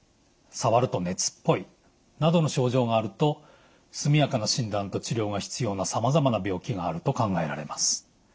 触ると熱っぽいなどの症状があると速やかな診断と治療が必要なさまざまな病気があると考えられます。